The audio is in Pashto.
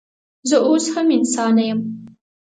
زه اوس هم انسانه یم